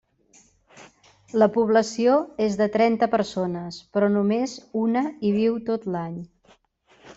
La població és de trenta persones però només una hi viu tot l'any.